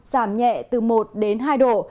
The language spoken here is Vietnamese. giảm nhẹ từ một đến hai độ